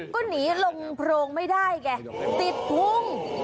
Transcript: ก็หนีลงโพรงไม่ได้ไงติดทุ่ง